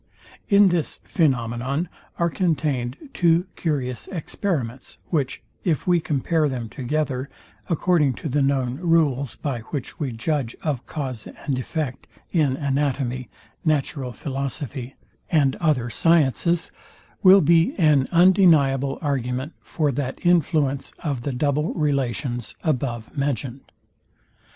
In this phænomenon are contained two curious experiments, which if we compare them together, according to the known rules, by which we judge of cause and effect in anatomy, natural philosophy, and other sciences, will be an undeniable argument for that influence of the double relations above mentioned.